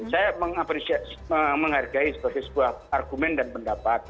saya menghargai sebagai sebuah argumen dan pendapat